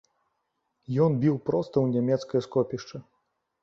Ён біў проста ў нямецкае скопішча.